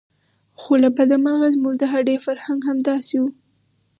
خو له بده مرغه زموږ د هډې فرهنګ همداسې و.